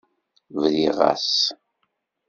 Briɣ-as.